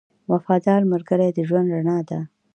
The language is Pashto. • وفادار ملګری د ژوند رڼا ده.